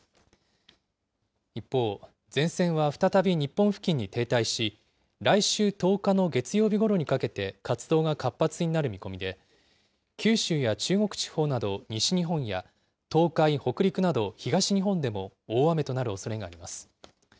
一方、前線は再び日本付近に停滞し、来週１０日の月曜日ごろにかけて、活動が活発になる見込みで、九州や中国地方など西日本や東海、北陸など東日本でも大雨となるおそれがあります。